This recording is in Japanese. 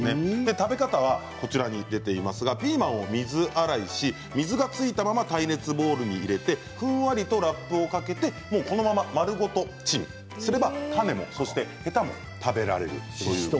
食べ方はピーマンを水洗いし水がついたまま耐熱ボウルに入れてふんわりとラップをかけてこのまま丸ごとチンすれば種もヘタも食べられる。